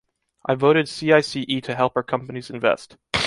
I voted CICE to help our companies to invest.